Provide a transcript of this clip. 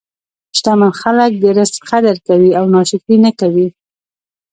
شتمن خلک د رزق قدر کوي او ناشکري نه کوي.